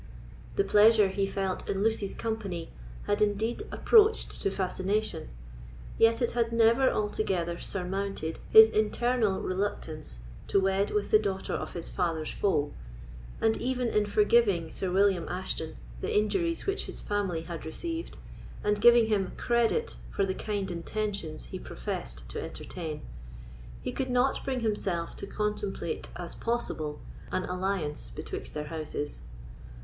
The pleasure he felt in Lucy's company had indeed approached to fascination, yet it had never altogether surmounted his internal reluctance to wed with the daughter of his father's foe; and even in forgiving Sir William Ashton the injuries which his family had received, and giving him credit for the kind intentions he professed to entertain, he could not bring himself to contemplate as possible an alliance betwixt their houses.